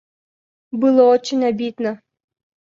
Было очень обидно.